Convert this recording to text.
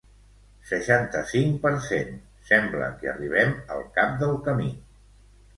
Seixanta-cinc per cent Sembla que arribem al cap del camí.